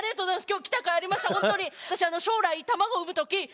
今日来たかいありました本当に。